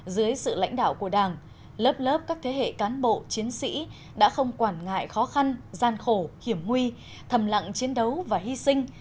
dưới sự lãnh đạo của đảng lớp lớp các thế hệ cán bộ chiến sĩ đã không quản ngại khó khăn gian khổ hiểm nguy thầm lặng chiến đấu và hy sinh